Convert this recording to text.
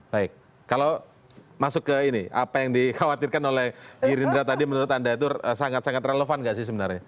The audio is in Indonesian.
baik kalau masuk ke ini apa yang dikhawatirkan oleh gerindra tadi menurut anda itu sangat sangat relevan nggak sih sebenarnya